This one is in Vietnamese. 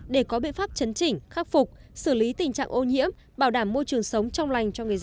để có biện pháp chấn chỉnh khắc phục xử lý tình trạng ô nhiễm bảo đảm môi trường sống trong lành cho người dân